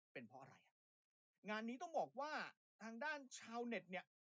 เป็นเพราะอะไรอ่ะงานนี้ต้องบอกว่าทางด้านชาวเน็ตเนี่ย